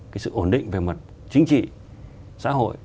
cái sự ổn định về mặt chính trị xã hội